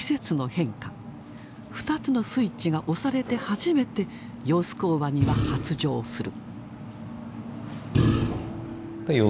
２つのスイッチが押されて初めてヨウスコウワニは発情する。